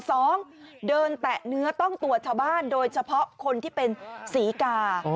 สองเดินแตะเนื้อต้องตัวชาวบ้านโดยเฉพาะคนที่เป็นศรีกา